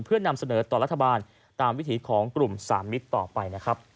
เพื่อนำเสนอต่อรัฐบาลตามวิถีของกลุ่มสามมิตรต่อไปนะครับ